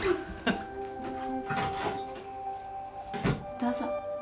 ・どうぞ。